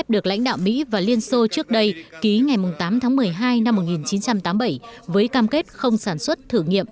được lãnh đạo mỹ và liên xô trước đây ký ngày tám tháng một mươi hai năm một nghìn chín trăm tám mươi bảy với cam kết không sản xuất thử nghiệm